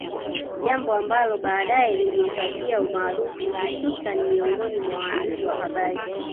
Jambo ambalo baadae lilimpatia umaarufu hususan miongoni mwa waandishi wa habari